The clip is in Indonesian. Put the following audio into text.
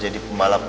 lalu makan apa